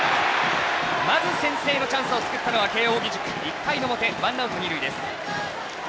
まず先制のチャンスを作ったのは慶応義塾、１回の表ワンアウト、二塁。